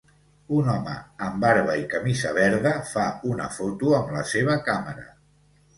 Un home amb barba i camisa verda fa una foto amb la seva càmera